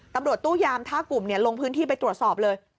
ตำรวจตู้ยามท่ากลุ่มเนี่ยลงพื้นที่ไปตรวจสอบเลย